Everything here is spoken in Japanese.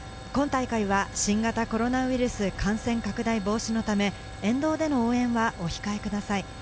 今大会は新型コロナウイルス感染拡大防止のため沿道での応援はお控えください。